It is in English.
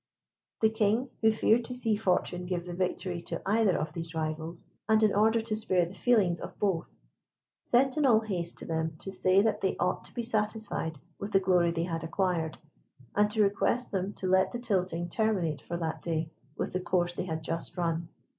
The King, who feared to see Fortune give the victory to either of these rivals, and in order to spare the feelings of both, sent in all haste to them to say that they ought to be satisfied with the glory they had acquired, and to request them to let the tilting terminate for that day with the course they had just run.